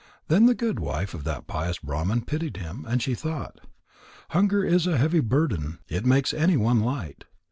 Then the good wife of that pious Brahman pitied him, and she thought: "Hunger is a heavy burden. It makes anyone light.